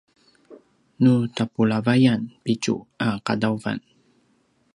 nu tapulavayan pitju a qadawan